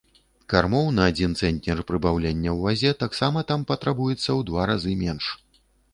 Кармоў на адзін цэнтнер прыбаўлення ў вазе таксама там патрабуецца ў два разы менш.